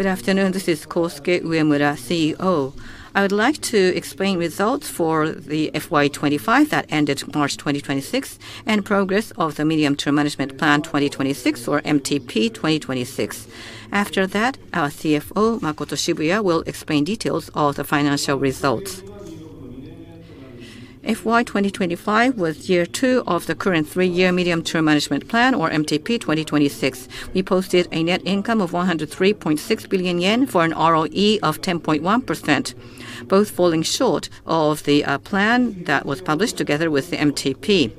Good afternoon. This is Kosuke Uemura, CEO. I would like to explain results for the FY 2025 that ended March 2026 and progress of the Medium-term Management Plan 2026 or MTP 2026. After that, our CFO, Makoto Shibuya, will explain details of the financial results. FY 2025 was year two of the current three-year Medium-term Management Plan or MTP 2026. We posted a net income of 103.6 billion yen for an ROE of 10.1%, both falling short of the plan that was published together with the MTP.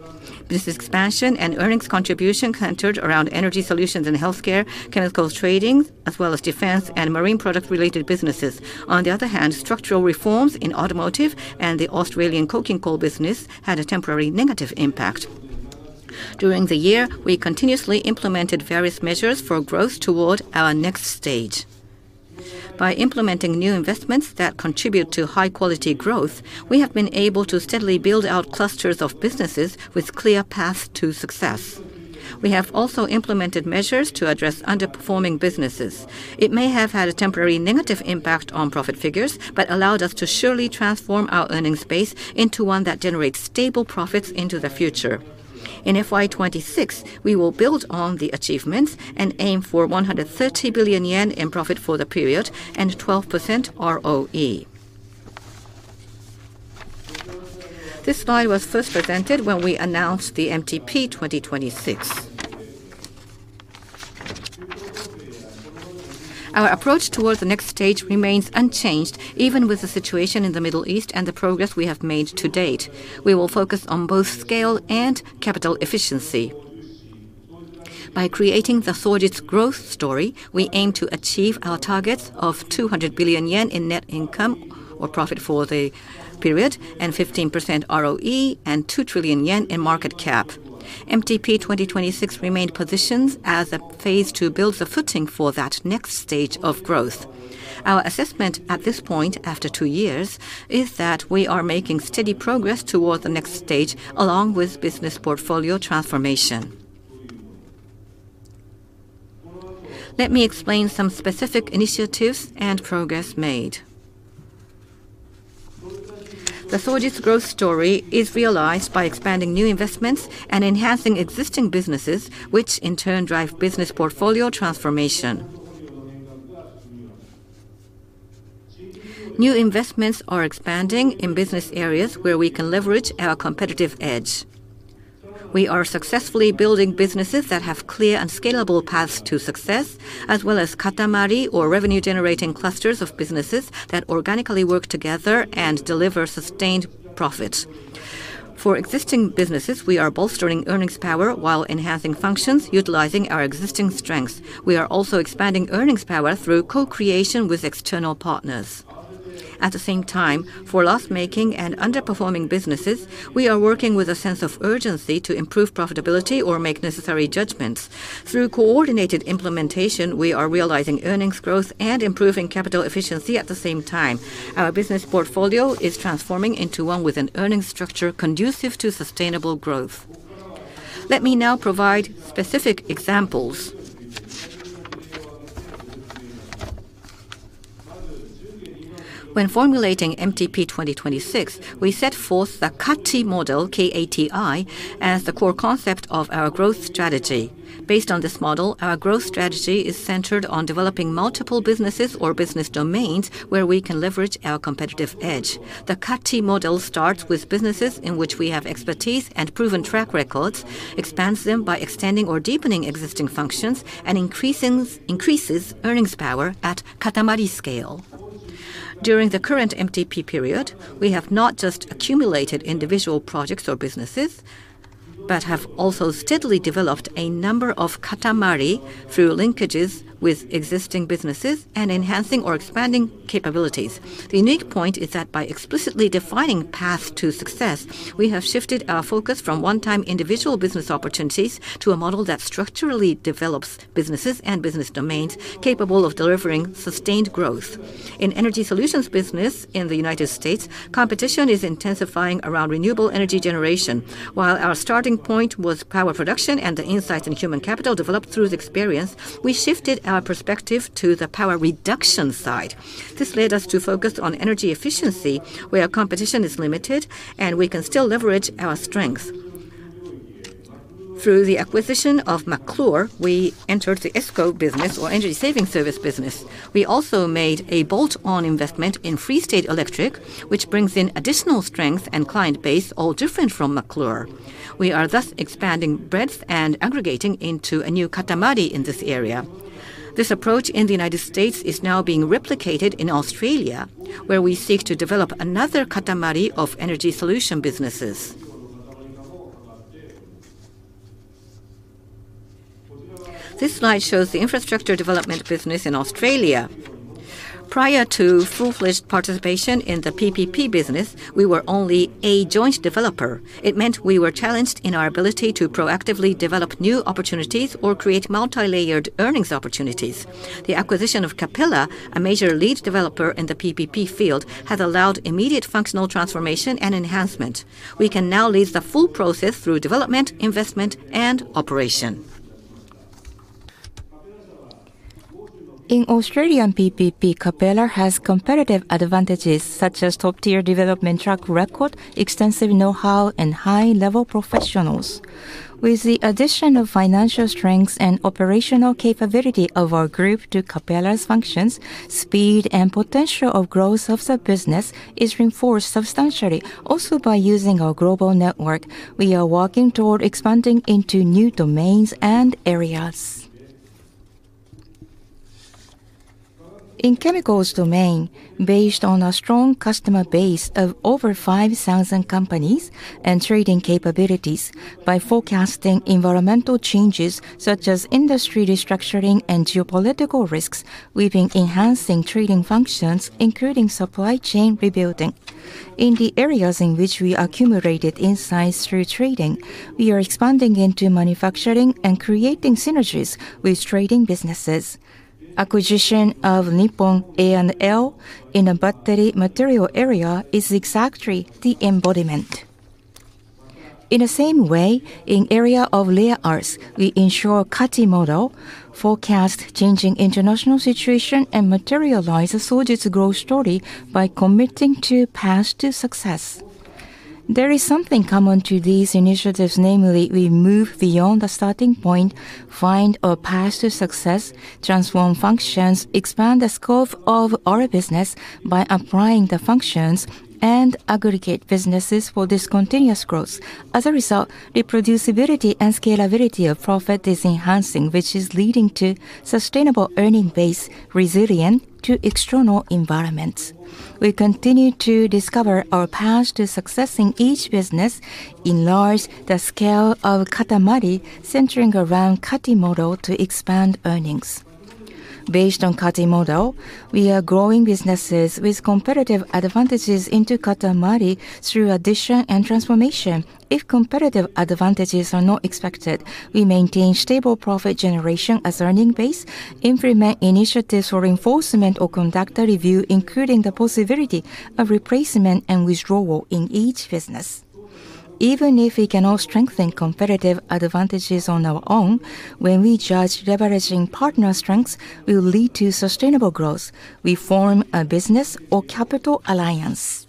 Business expansion and earnings contribution centered around energy solutions and healthcare, chemicals trading, as well as defense and marine product-related businesses. On the other hand, structural reforms in automotive and the Australian coking coal business had a temporary negative impact. During the year, we continuously implemented various measures for growth toward our next stage. By implementing new investments that contribute to high-quality growth, we have been able to steadily build out clusters of businesses with clear path to success. We have also implemented measures to address underperforming businesses. It may have had a temporary negative impact on profit figures but allowed us to surely transform our earnings base into one that generates stable profits into the future. In FY 2026, we will build on the achievements and aim for 130 billion yen in profit for the period and 12% ROE. This slide was first presented when we announced the MTP 2026. Our approach towards the next stage remains unchanged, even with the situation in the Middle East and the progress we have made to date. We will focus on both scale and capital efficiency. By creating the Sojitz growth story, we aim to achieve our targets of 200 billion yen in net income or profit for the period, and 15% ROE, and 2 trillion yen in market cap. MTP 2026 remained positioned as a phase to build the footing for that next stage of growth. Our assessment at this point, after two years, is that we are making steady progress towards the next stage along with business portfolio transformation. Let me explain some specific initiatives and progress made. The Sojitz growth story is realized by expanding new investments and enhancing existing businesses, which in turn drive business portfolio transformation. New investments are expanding in business areas where we can leverage our competitive edge. We are successfully building businesses that have clear and scalable paths to success, as well as Katamari or revenue-generating clusters of businesses that organically work together and deliver sustained profit. For existing businesses, we are bolstering earnings power while enhancing functions utilizing our existing strengths. We are also expanding earnings power through co-creation with external partners. At the same time, for loss-making and underperforming businesses, we are working with a sense of urgency to improve profitability or make necessary judgments. Through coordinated implementation, we are realizing earnings growth and improving capital efficiency at the same time. Our business portfolio is transforming into one with an earnings structure conducive to sustainable growth. Let me now provide specific examples. When formulating MTP 2026, we set forth the KATI model, K-A-T-I, as the core concept of our growth strategy. Based on this model, our growth strategy is centered on developing multiple businesses or business domains where we can leverage our competitive edge. The KATI model starts with businesses in which we have expertise and proven track records, expands them by extending or deepening existing functions, and increases earnings power at Katamari scale. During the current MTP period, we have not just accumulated individual projects or businesses but have also steadily developed a number of Katamari through linkages with existing businesses and enhancing or expanding capabilities. The unique point is that by explicitly defining path to success, we have shifted our focus from one-time individual business opportunities to a model that structurally develops businesses and business domains capable of delivering sustained growth. In energy solutions business in the U.S., competition is intensifying around renewable energy generation. While our starting point was power production and the insights in human capital developed through experience, we shifted our perspective to the power reduction side. This led us to focus on energy efficiency, where competition is limited and we can still leverage our strengths. Through the acquisition of McClure, we entered the ESCO business or energy savings service business. We also made a bolt-on investment in Freestate Electric, which brings in additional strength and client base, all different from McClure. We are thus expanding breadth and aggregating into a new Katamari in this area. This approach in the United States is now being replicated in Australia, where we seek to develop another Katamari of energy solution businesses. This slide shows the infrastructure development business in Australia. Prior to full-fledged participation in the PPP business, we were only a joint developer. It meant we were challenged in our ability to proactively develop new opportunities or create multi-layered earnings opportunities. The acquisition of Capella, a major lead developer in the PPP field, has allowed immediate functional transformation and enhancement. We can now lead the full process through development, investment, and operation. In Australian PPP, Capella has competitive advantages such as top-tier development track record, extensive know-how, and high-level professionals. With the addition of financial strengths and operational capability of our group to Capella's functions, speed and potential of growth of the business is reinforced substantially. By using our global network, we are working toward expanding into new domains and areas. In chemicals domain, based on a strong customer base of over 5,000 companies and trading capabilities by forecasting environmental changes such as industry restructuring and geopolitical risks, we've been enhancing trading functions, including supply chain rebuilding. In the areas in which we accumulated insights through trading, we are expanding into manufacturing and creating synergies with trading businesses. Acquisition of Nippon A&L in a battery material area is exactly the embodiment. In the same way, in area of rare earths, we ensure KATI model, forecast changing international situation, and materialize Sojitz growth story by committing to path to success. There is something common to these initiatives, namely we move beyond the starting point, find a path to success, transform functions, expand the scope of our business by applying the functions, and aggregate businesses for discontinuous growth. As a result, reproducibility and scalability of profit is enhancing, which is leading to sustainable earning base resilient to external environments. We continue to discover our path to success in each business, enlarge the scale of Katamari, centering around KATI model to expand earnings. Based on KATI model, we are growing businesses with competitive advantages into Katamari through addition and transformation. If competitive advantages are not expected, we maintain stable profit generation as earning base, implement initiatives for reinforcement or conduct a review, including the possibility of replacement and withdrawal in each business. Even if we cannot strengthen competitive advantages on our own, when we judge leveraging partner strengths will lead to sustainable growth, we form a business or capital alliance.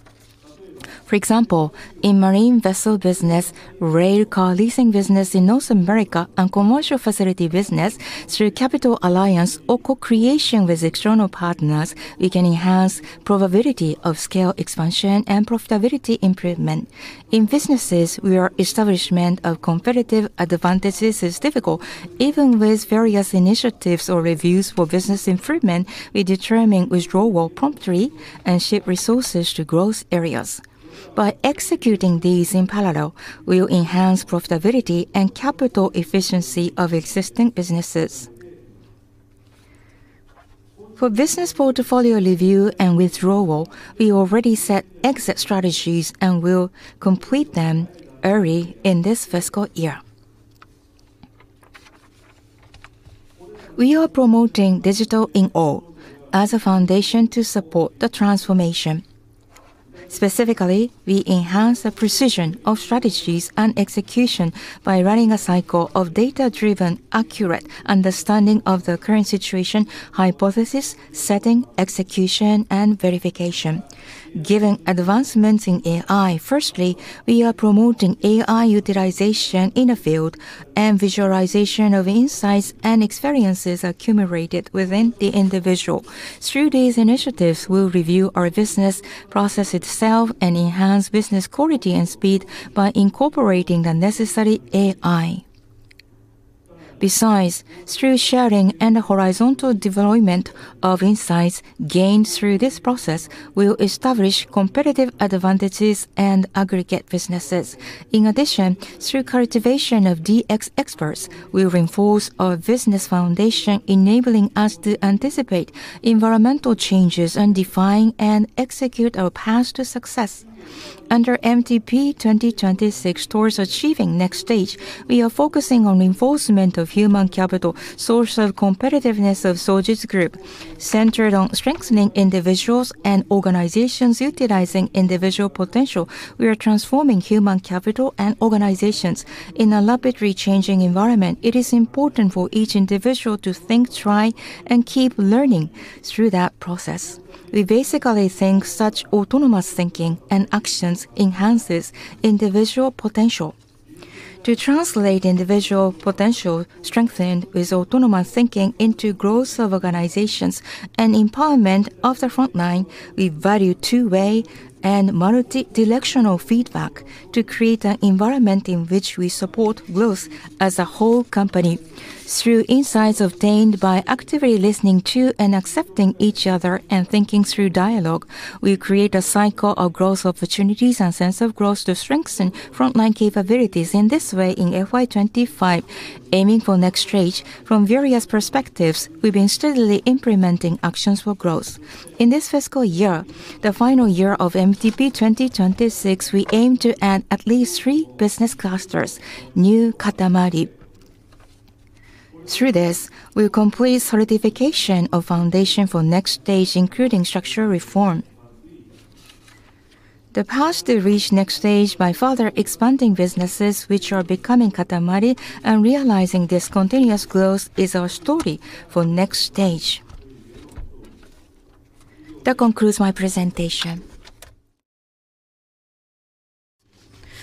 For example, in marine vessel business, rail car leasing business in North America, and commercial facility business, through capital alliance or co-creation with external partners, we can enhance probability of scale expansion and profitability improvement. In businesses where establishment of competitive advantages is difficult, even with various initiatives or reviews for business improvement, we determine withdrawal promptly and ship resources to growth areas. By executing these in parallel, we will enhance profitability and capital efficiency of existing businesses. For business portfolio review and withdrawal, we already set exit strategies and will complete them early in this fiscal year. We are promoting Digital in All as a foundation to support the transformation. Specifically, we enhance the precision of strategies and execution by running a cycle of data-driven, accurate understanding of the current situation, hypothesis setting, execution, and verification. Given advancements in AI, firstly, we are promoting AI utilization in the field and visualization of insights and experiences accumulated within the individual. Through these initiatives, we will review our business process itself and enhance business quality and speed by incorporating the necessary AI. Besides, through sharing and horizontal development of insights gained through this process, we will establish competitive advantages and aggregate businesses. In addition, through cultivation of DX experts, we will reinforce our business foundation, enabling us to anticipate environmental changes and define and execute our path to success. Under MTP 2026 towards achieving next stage, we are focusing on reinforcement of human capital, source of competitiveness of Sojitz Group. Centered on strengthening individuals and organizations utilizing individual potential, we are transforming human capital and organizations. In a rapidly changing environment, it is important for each individual to think, try, and keep learning through that process. We basically think such autonomous thinking and actions enhances individual potential. To translate individual potential strengthened with autonomous thinking into growth of organizations and empowerment of the front line, we value two-way and multidirectional feedback to create an environment in which we support growth as a whole company. Through insights obtained by actively listening to and accepting each other and thinking through dialogue, we create a cycle of growth opportunities and sense of growth to strengthen frontline capabilities. In FY 2025, aiming for next stage from various perspectives, we've been steadily implementing actions for growth. In this fiscal year, the final year of MTP 2026, we aim to add at least three business clusters, new Katamari. Through this, we'll complete solidification of foundation for next stage, including structural reform. The path to reach next stage by further expanding businesses which are becoming Katamari and realizing this continuous growth is our story for next stage. That concludes my presentation.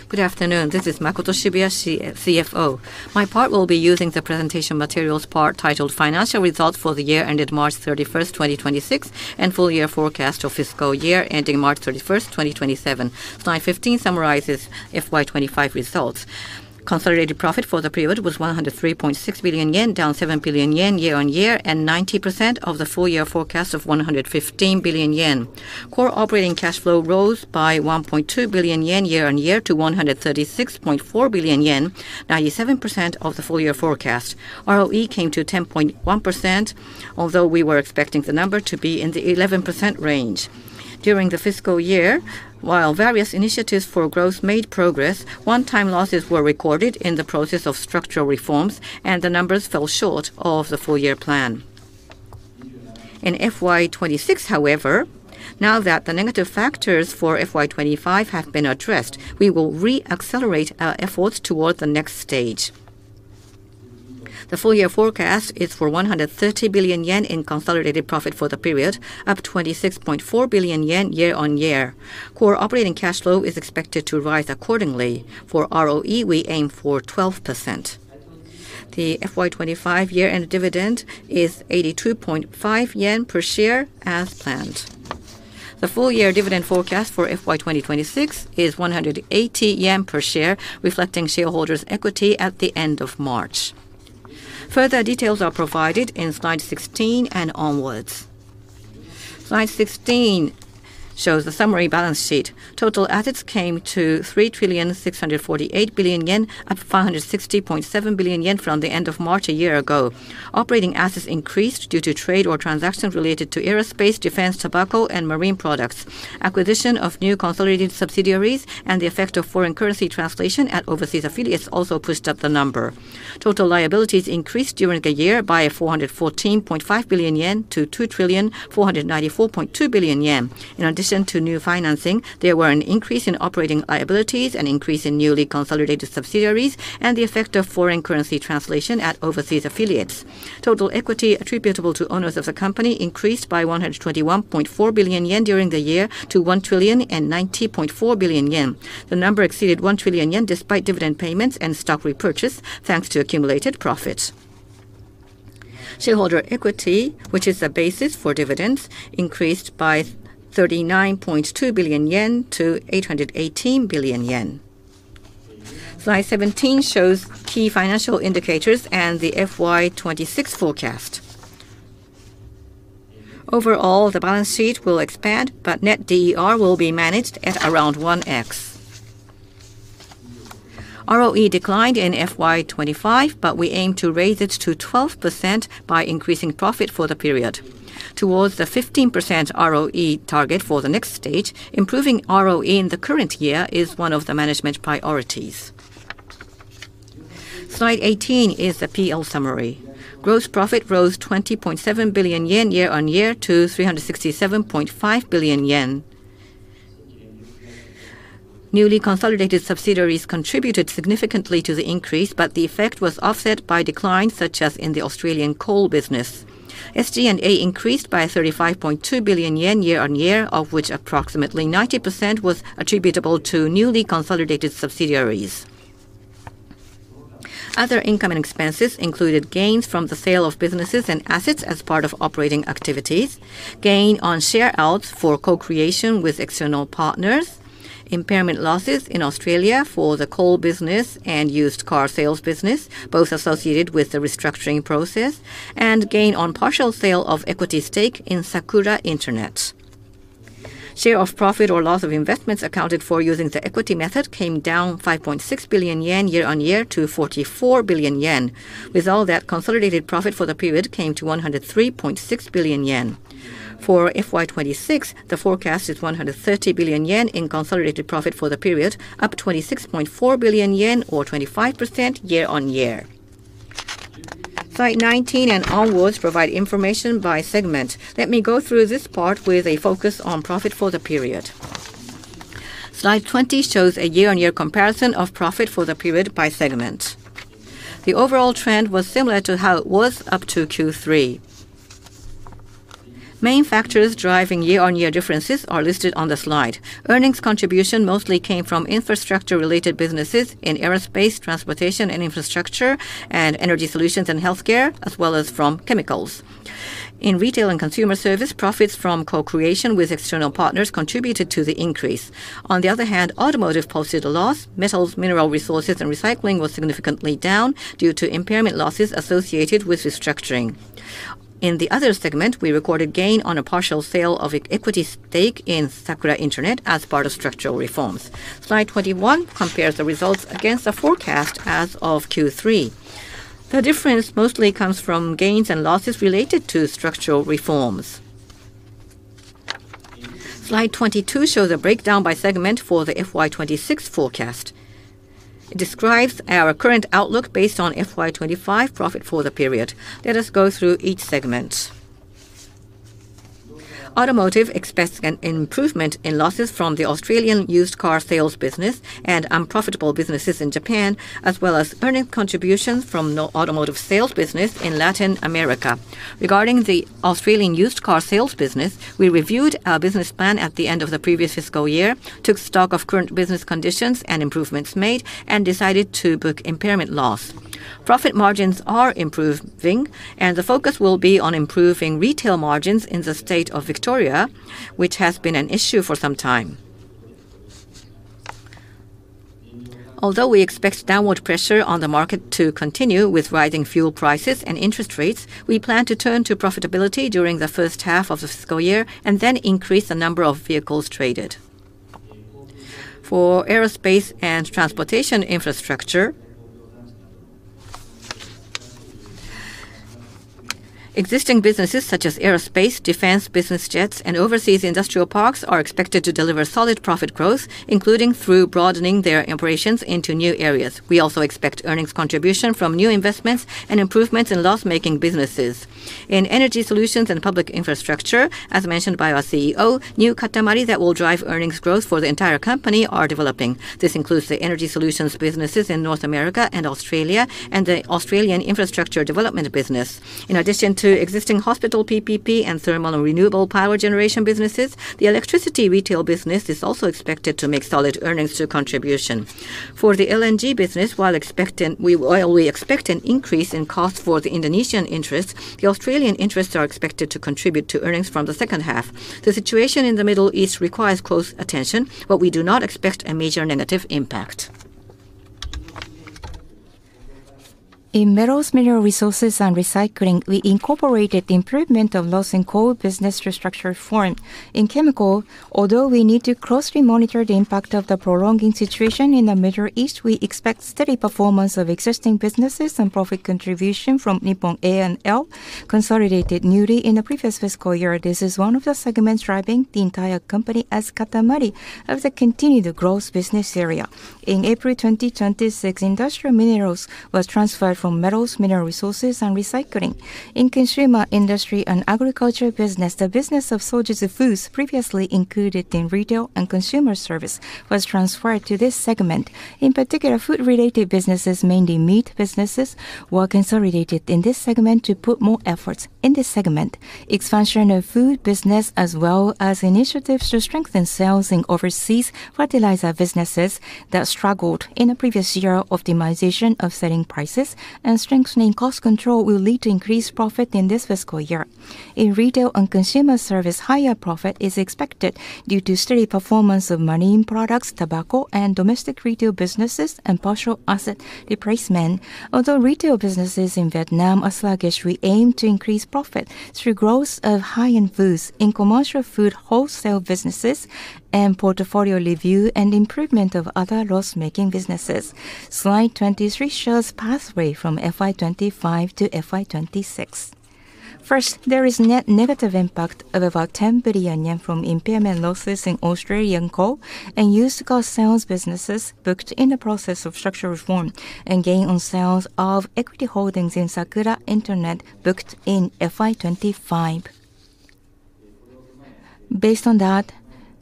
Good afternoon. This is Makoto Shibuya, CFO. My part will be using the presentation materials part titled Financial Results for the year ended March 31st, 2026, and Full Year Forecast of fiscal year ending March 31st, 2027. Slide 15 summarizes FY 2025 results. Consolidated profit for the period was 103.6 billion yen, down 7 billion yen year-over-year, and 90% of the full year forecast of 115 billion yen. Core operating cash flow rose by 1.2 billion yen year-over-year to 136.4 billion yen, 97% of the full year forecast. ROE came to 10.1%, although we were expecting the number to be in the 11% range. During the fiscal year, while various initiatives for growth made progress, one-time losses were recorded in the process of structural reforms, and the numbers fell short of the full year plan. In FY 2026, however, now that the negative factors for FY 2025 have been addressed, we will re-accelerate our efforts towards the next stage. The full year forecast is for 130 billion yen in consolidated profit for the period, up 26.4 billion yen year-on-year. Core operating cash flow is expected to rise accordingly. For ROE, we aim for 12%. The FY 2025 year-end dividend is 82.5 yen per share as planned. The full year dividend forecast for FY 2026 is 180 yen per share, reflecting shareholders' equity at the end of March. Further details are provided in slide 16 and onwards. Slide 16 shows the summary balance sheet. Total assets came to 3,648 billion yen, up 560.7 billion yen from the end of March a year ago. Operating assets increased due to trade or transactions related to aerospace, defense, tobacco, and marine products. Acquisition of new consolidated subsidiaries and the effect of foreign currency translation at overseas affiliates also pushed up the number. Total liabilities increased during the year by 414.5 billion yen to 2,494.2 billion yen. In addition to new financing, there were an increase in operating liabilities, an increase in newly consolidated subsidiaries, and the effect of foreign currency translation at overseas affiliates. Total equity attributable to owners of the company increased by 121.4 billion yen during the year to 1,090.4 billion yen. The number exceeded 1 trillion yen despite dividend payments and stock repurchase, thanks to accumulated profit. Shareholder equity, which is the basis for dividends, increased by 39.2 billion yen to 818 billion yen. Slide 17 shows key financial indicators and the FY 2026 forecast. Overall, the balance sheet will expand, but Net DER will be managed at around 1x. ROE declined in FY 2025, but we aim to raise it to 12% by increasing profit for the period. Towards the 15% ROE target for the next stage, improving ROE in the current year is one of the management priorities. Slide 18 is the PL summary. Gross profit rose 20.7 billion yen year-on-year to 367.5 billion yen. Newly consolidated subsidiaries contributed significantly to the increase, but the effect was offset by declines such as in the Australian coal business. SG&A increased by 35.2 billion yen year-on-year, of which approximately 90% was attributable to newly consolidated subsidiaries. Other income and expenses included gains from the sale of businesses and assets as part of operating activities, gain on share-outs for co-creation with external partners, impairment losses in Australia for the coal business and used car sales business, both associated with the restructuring process, and gain on partial sale of equity stake in Sakura Internet. Share of profit or loss of investments accounted for using the equity method came down 5.6 billion yen year-on-year to 44 billion yen. With all that, consolidated profit for the period came to 103.6 billion yen. For FY 2026, the forecast is 130 billion yen in consolidated profit for the period, up 26.4 billion yen or 25% year-on-year. Slide 19 and onwards provide information by segment. Let me go through this part with a focus on profit for the period. Slide 20 shows a year-on-year comparison of profit for the period by segment. The overall trend was similar to how it was up to Q3. Main factors driving year-on-year differences are listed on the slide. Earnings contribution mostly came from infrastructure-related businesses in Aerospace & Transportation Infrastructure, and Energy Solutions and healthcare, as well as from chemicals. In Retail & Consumer Service, profits from co-creation with external partners contributed to the increase. On the other hand, automotive posted a loss. Metals, Mineral Resources & Recycling Division was significantly down due to impairment losses associated with restructuring. In the other segment, we recorded gain on a partial sale of equity stake in SAKURA internet Inc. as part of structural reforms. Slide 21 compares the results against the forecast as of Q3. The difference mostly comes from gains and losses related to structural reforms. Slide 22 shows a breakdown by segment for the FY 2026 forecast. It describes our current outlook based on FY 2025 profit for the period. Let us go through each segment. Automotive expects an improvement in losses from the Australian used car sales business and unprofitable businesses in Japan, as well as earning contributions from new automotive sales business in Latin America. Regarding the Australian used car sales business, we reviewed our business plan at the end of the previous fiscal year, took stock of current business conditions and improvements made, and decided to book impairment loss. Profit margins are improving. The focus will be on improving retail margins in the state of Victoria, which has been an issue for some time. We expect downward pressure on the market to continue with rising fuel prices and interest rates. We plan to turn to profitability during the first half of the fiscal year and then increase the number of vehicles traded. For Aerospace & Transportation Infrastructure. Existing businesses such as aerospace, defense, business jets, and overseas industrial parks are expected to deliver solid profit growth, including through broadening their operations into new areas. We also expect earnings contribution from new investments and improvements in loss-making businesses. In Energy Solutions & Public Infrastructure, as mentioned by our CEO, new Katamari that will drive earnings growth for the entire company are developing. This includes the energy solutions businesses in North America and Australia and the Australian infrastructure development business. In addition to existing hospital PPP and thermal and renewable power generation businesses, the electricity retail business is also expected to make solid earnings contribution. For the LNG business, while we expect an increase in cost for the Indonesian interests, the Australian interests are expected to contribute to earnings from the second half. The situation in the Middle East requires close attention, but we do not expect a major negative impact. In Metals, Mineral Resources, and Recycling, we incorporated the improvement of loss in coal business structural reform. In chemical, although we need to closely monitor the impact of the prolonging situation in the Middle East, we expect steady performance of existing businesses and profit contribution from NIPPON A&L consolidated newly in the previous fiscal year. This is one of the segments driving the entire company as Katamari of the continued growth business area. In April 2026, Industrial Minerals was transferred from Metals, Mineral Resources, and Recycling. In Consumer Industry and Agriculture Business, the business of Sojitz Foods, previously included in Retail and Consumer Service, was transferred to this segment. In particular, food-related businesses, mainly meat businesses, were consolidated in this segment to put more efforts in this segment. Expansion of food business as well as initiatives to strengthen sales in overseas fertilizer businesses that struggled in the previous year, optimization of selling prices, and strengthening cost control will lead to increased profit in this fiscal year. In retail and consumer service, higher profit is expected due to steady performance of marine products, tobacco, and domestic retail businesses and partial asset replacement. Although retail businesses in Vietnam are sluggish, we aim to increase profit through growth of high-end foods in commercial food wholesale businesses and portfolio review and improvement of other loss-making businesses. Slide 23 shows pathway from FY 2025 to FY 2026. First, there is net negative impact of about 10 billion yen from impairment losses in Australian coal and used car sales businesses booked in the process of structural reform and gain on sales of equity holdings in SAKURA internet Inc. booked in FY 2025. Based on that,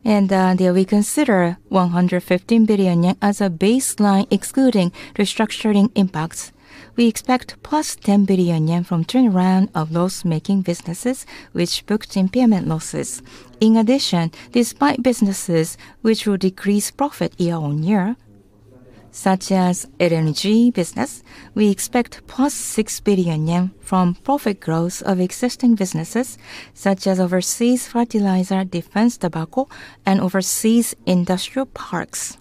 there we consider 115 billion yen as a baseline excluding restructuring impacts. We expect plus 10 billion yen from turnaround of loss-making businesses which booked impairment losses. In addition, despite businesses which will decrease profit year-on-year, such as LNG business, we expect +6 billion yen from profit growth of existing businesses such as overseas fertilizer, defense tobacco, and overseas industrial parks.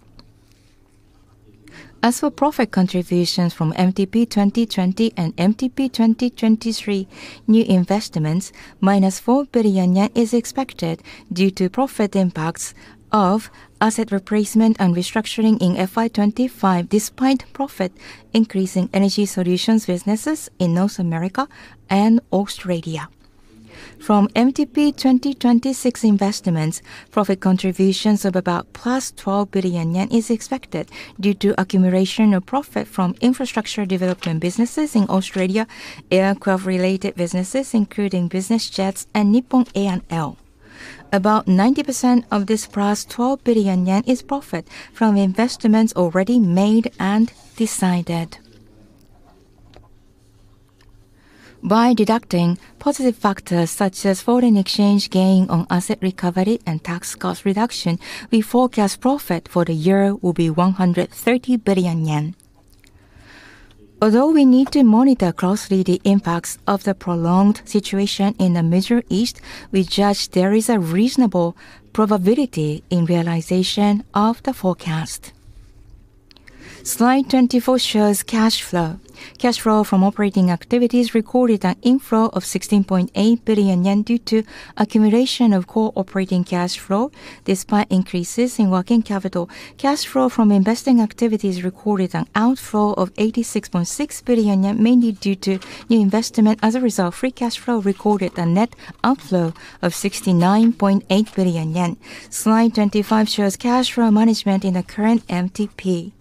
As for-profit contributions from MTP 2020 and MTP 2023 new investments, -4 billion yen is expected due to profit impacts of asset replacement and restructuring in FY 2025 despite profit increase in energy solutions businesses in North America and Australia. From MTP 2026 investments, profit contributions of about +12 billion yen is expected due to accumulation of profit from infrastructure development businesses in Australia, aircraft-related businesses including business jets and NIPPON A&L. About 90% of this +12 billion yen is profit from investments already made and decided. By deducting positive factors such as foreign exchange gain on asset recovery and tax cost reduction, we forecast profit for the year will be 130 billion yen. Although we need to monitor closely the impacts of the prolonged situation in the Middle East, we judge there is a reasonable probability in realization of the forecast. Slide 24 shows cash flow. Cash flow from operating activities recorded an inflow of 16.8 billion yen due to accumulation of Core operating cash flow despite increases in working capital. Cash flow from investing activities recorded an outflow of 86.6 billion yen, mainly due to new investment. As a result, free cash flow recorded a net outflow of 69.8 billion yen. Slide 25 shows cash flow management in the current MTP.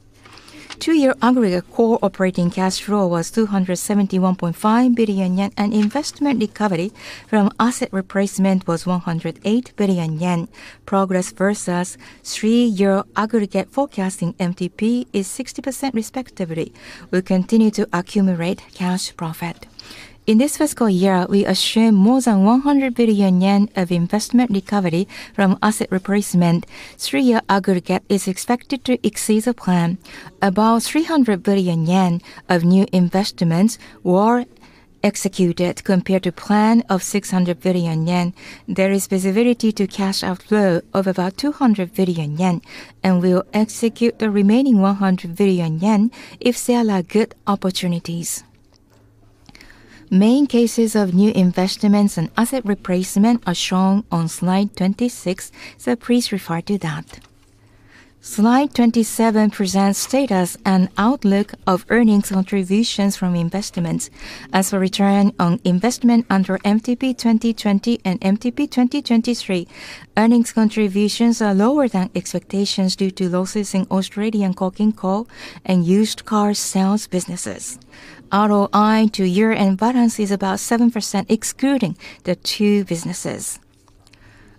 Two-year aggregate Core operating cash flow was 271.5 billion yen, and investment recovery from asset replacement was 108 billion yen. Progress versus three-year aggregate forecasting MTP is 60% respectively. We'll continue to accumulate cash profit. In this fiscal year, we assume more than 100 billion yen of investment recovery from asset replacement. Three-year aggregate is expected to exceed the plan. About 300 billion yen of new investments were executed compared to plan of 600 billion yen. There is visibility to cash outflow of about 200 billion yen, and we'll execute the remaining 100 billion yen if there are good opportunities. Main cases of new investments and asset replacement are shown on slide 26, so please refer to that. Slide 27 presents status and outlook of earnings contributions from investments. As for return on investment under MTP 2020 and MTP 2023, earnings contributions are lower than expectations due to losses in Australian coking coal and used car sales businesses. ROI to year-end balance is about 7% excluding the two businesses.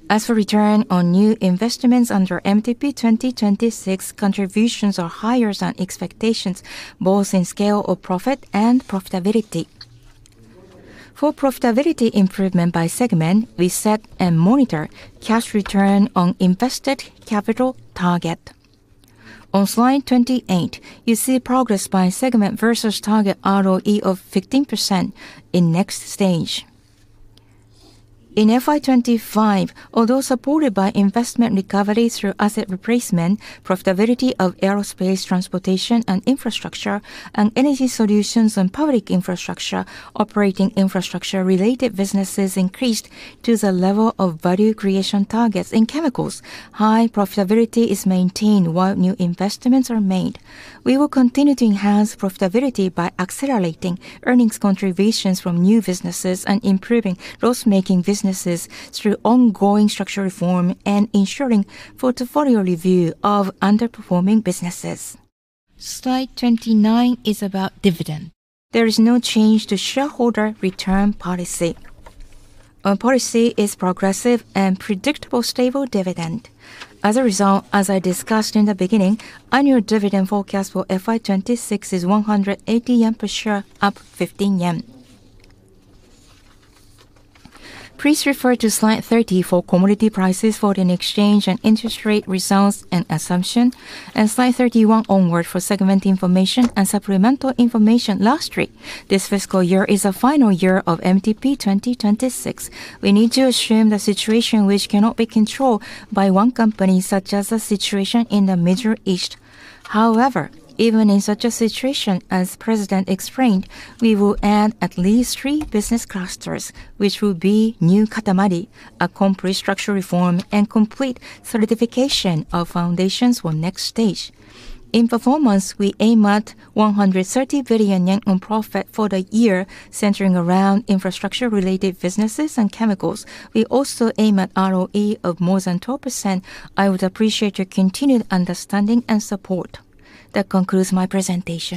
As for return on new investments under MTP 2026, contributions are higher than expectations, both in scale of profit and profitability. For profitability improvement by segment, we set and monitor Cash Return on Invested Capital target. On slide 28, you see progress by segment versus target ROE of 15% in next stage. In FY 2025, although supported by investment recovery through asset replacement, profitability of Aerospace & Transportation Infrastructure and Energy Solutions & Public Infrastructure, operating infrastructure-related businesses increased to the level of value creation targets. In chemicals, high profitability is maintained while new investments are made. We will continue to enhance profitability by accelerating earnings contributions from new businesses and improving loss-making businesses through ongoing structural reform and ensuring portfolio review of underperforming businesses. Slide 29 is about dividend. There is no change to shareholder return policy. Our policy is progressive and predictable stable dividend. As a result, as I discussed in the beginning, annual dividend forecast for FY 2026 is 180 yen per share, up 15 yen. Please refer to slide 30 for commodity prices, foreign exchange and interest rate results and assumption, and slide 31 onward for segment information and supplemental information. Last three, this fiscal year is the final year of MTP 2026. We need to assume the situation which cannot be controlled by one company, such as the situation in the Middle East. However, even in such a situation, as President explained, we will add at least three business clusters, which will be new Katamari, accomplish structural reform, and complete solidification of foundations for next stage. In performance, we aim at 130 billion yen on profit for the year centering around infrastructure-related businesses and chemicals. We also aim at ROE of more than 12%. I would appreciate your continued understanding and support. That concludes my presentation.